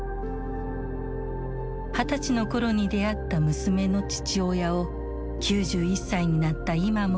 二十歳の頃に出会った娘の父親を９１歳になった今も度々思い返す。